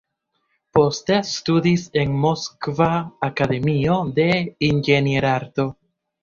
Poste studis en Moskva Akademio de Inĝenierarto.